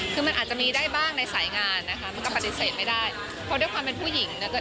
คือมันอาจจะมีได้บ้างในสายงานนะคะมันก็ปฏิเสธไม่ได้เพราะด้วยความเป็นผู้หญิงเนี่ย